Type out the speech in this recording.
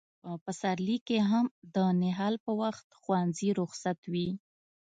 په پسرلي کې هم د نهال په وخت کې ښوونځي رخصت وي.